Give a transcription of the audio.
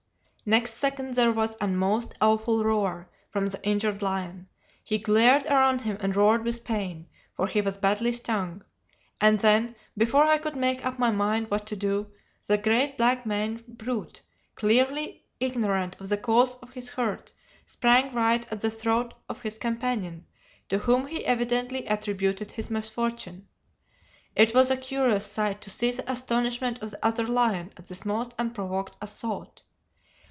"Next second there was a most awful roar from the injured lion. He glared around him and roared with pain, for he was badly stung; and then, before I could make up my mind what to do, the great black maned brute, clearly ignorant of the cause of his hurt, sprang right at the throat of his companion, to whom he evidently attributed his misfortune. It was a curious sight to see the astonishment of the other lion at this most unprovoked assault.